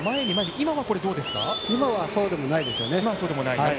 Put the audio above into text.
今はそうでもないです。